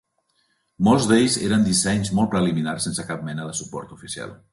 Molts d'ells eren dissenys molt preliminars sense cap mena de suport oficial.